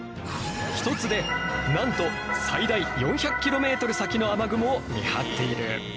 一つでなんと最大４００キロメートル先の雨雲を見張っている。